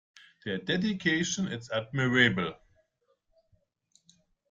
Their dedication is admirable.